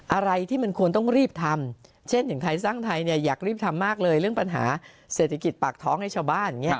อะไรที่มันควรต้องรีบทำเช่นอย่างไทยสร้างไทยอยากรีบทำมากเลยเรื่องปัญหาเศรษฐกิจปากท้องให้ชาวบ้านอย่างนี้